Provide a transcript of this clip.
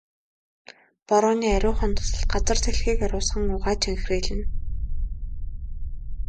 Борооны ариухан дусал газар дэлхийг ариусган угааж энхрийлнэ.